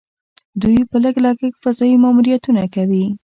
دوی په لږ لګښت فضايي ماموریتونه کوي.